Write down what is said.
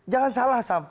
jangan salah sam